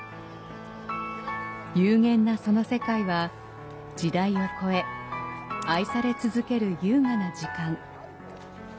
幽玄なその世界は時代を超え、愛され続ける優雅な時間。